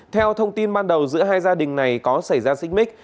theo thông tin ban đầu giữa hai gia đình này có xảy ra xích mít